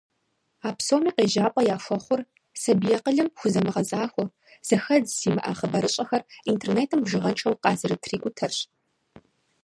А псоми къежьапӀэ яхуэхъур сабий акъылым хузэмыгъэзахуэ, зэхэдз зимыӀэ хъыбарыщӀэхэр интернетым бжыгъэншэу къазэрытрикӀутэрщ.